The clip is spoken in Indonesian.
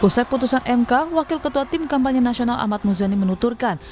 usai putusan mk wakil ketua tim kampanye nasional ahmad muzani menuturkan